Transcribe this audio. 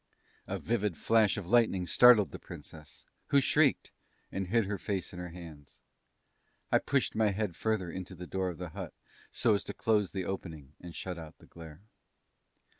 A vivid flash of lightning startled the Princess, who shrieked, and hid her face in her hands. I pushed my head further into the door of the hut so as to close the opening and shut out the glare.